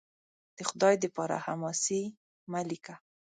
د خدای دپاره! حماسې مه لیکه